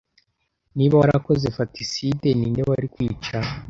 Niba warakoze Vatiside ninde wari kwica